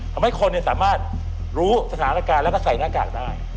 ทำให้คนสามารถรู้สถานการณ์แล้วก็ใส่หน้ากากได้